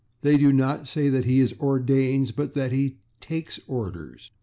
They do not say that he is /ordained/, but that he /takes orders